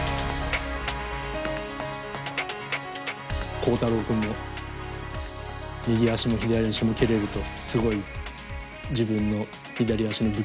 コウタロウ君も右足も左足も蹴れるとすごい自分の左足の武器が生きると思います。